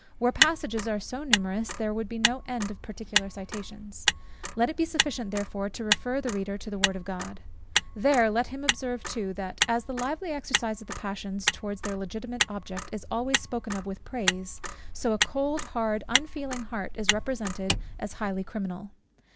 Where passages are so numerous, there would be no end of particular citations. Let it be sufficient therefore, to refer the reader to the word of God. There let him observe too, that as the lively exercise of the passions towards their legitimate object, is always spoken of with praise, so a cold, hard, unfeeling heart is represented as highly criminal.